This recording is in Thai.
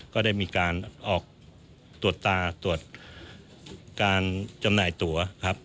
ก็ได้มีการออกตรวจตาตรวจการจำหน่ายตัวครับ